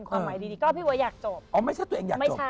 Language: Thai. ความหมายดีก็พี่บ๊วยอยากจบ